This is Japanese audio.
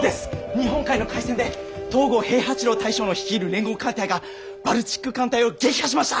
日本海の海戦で東郷平八郎大将の率いる連合艦隊がバルチック艦隊を撃破しました！